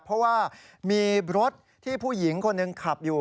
เพราะว่ามีรถที่ผู้หญิงคนหนึ่งขับอยู่